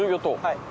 はい。